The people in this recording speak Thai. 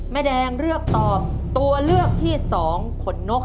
แม่แดงเลือกตอบตัวเลือกที่๒ขนนก